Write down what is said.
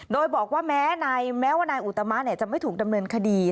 โดยบอกว่าแม้ว่านายอุตมะจะไม่ถูกดำเนินคดี